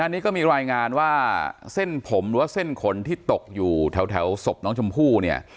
อันนี้ก็มีรายงานว่าเส้นผมหรือว่าเส้นขนที่ตกอยู่แถวศพน้องชมพู่เนี่ย